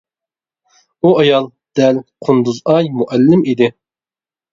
ئۇ ئايال دەل قۇندۇزئاي مۇئەللىم ئىدى.